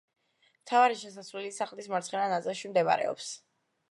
მთავარი შესასვლელი სახლის მარცხენა ნაწილში მდებარეობს.